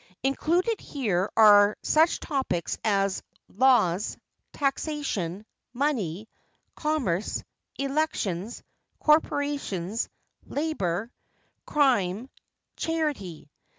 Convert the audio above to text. Included here are such topics as "Laws," "Taxation," "Money," "Commerce," "Elections," "Corporations," "Labor," "Crime," "Charity."